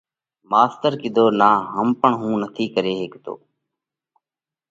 ماستر ڪِيڌو: نا هم پڻ هُون نٿِي ڪري هيڪتو۔